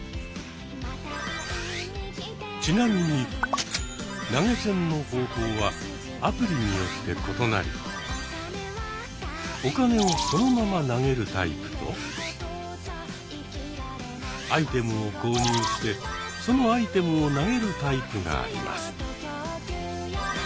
ちなみに投げ銭の方法はアプリによって異なりお金をそのまま投げるタイプとアイテムを購入してそのアイテムを投げるタイプがあります。